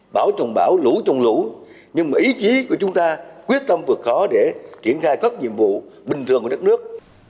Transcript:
bão trồng bão lũ trồng lũ nhưng mà ý chí của chúng ta quyết tâm vượt khó để triển khai các nhiệm vụ bình thường của đất nước